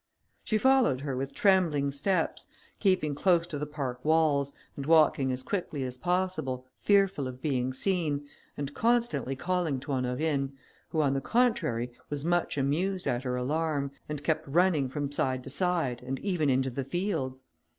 She followed her with trembling steps, keeping close to the park walls, and walking as quickly as possible, fearful of being seen, and constantly calling to Honorine, who, on the contrary, was much amused at her alarm, and kept running from side to side, and even into the fields.